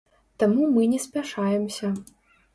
Таму мы не спяшаемся.